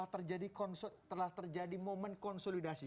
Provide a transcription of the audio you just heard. telah terjadi moment konsolidasi